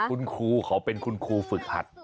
คุณครูเขาเป็นคุณครูฝึกหัด